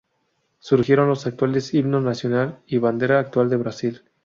Surgieron los actuales Himno Nacional y Bandera actual de Brasil.